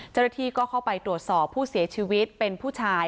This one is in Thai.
เจ้าหน้าที่ก็เข้าไปตรวจสอบผู้เสียชีวิตเป็นผู้ชาย